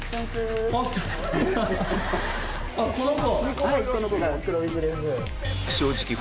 あっこの子！